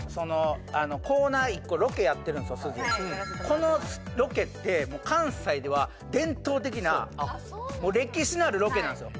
このロケって関西では伝統的なもう歴史のあるロケなんですよ